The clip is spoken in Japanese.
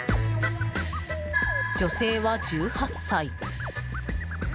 女性は１８歳。